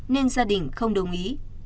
nên gia đình không đồng ý